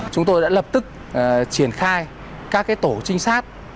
chúng tôi đã lập tức triển khai các tổ trinh sát